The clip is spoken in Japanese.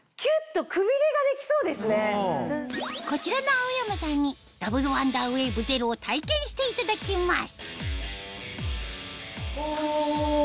こちらの青山さんにダブルワンダーウェーブゼロを体験していただきます